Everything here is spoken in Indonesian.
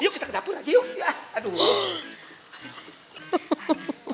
yuk kita ke dapur aja yuk aduh